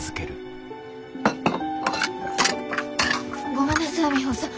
ごめんなさいミホさん。